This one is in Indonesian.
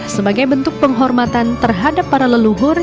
sebagai bentuk penghormatan terhadap para leluhur